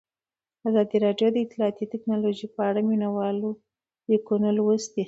ازادي راډیو د اطلاعاتی تکنالوژي په اړه د مینه والو لیکونه لوستي.